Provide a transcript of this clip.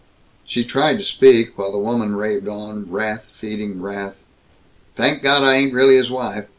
She tried to speak, while the woman raved on, wrath feeding wrath: "Thank God, I ain't really his wife!